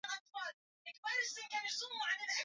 julian rumbavu ni mwandishi wetu katika kanda